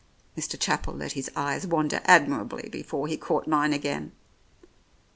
Mr. Chapel let his eyes wander admirably before he caught mine again.